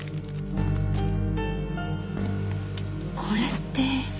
これって。